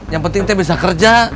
yang penting dia bisa kerja